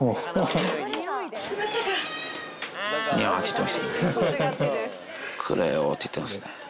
にゃーって言ってますね。